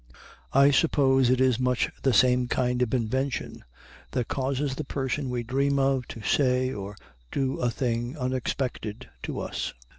I suppose it is much the same kind of invention that causes the person we dream of to say or do a thing unexpected to us.